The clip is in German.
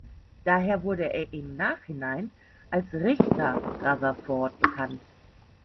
Daher wurde er im Nachhinein als „Richter“ Rutherford bekannt.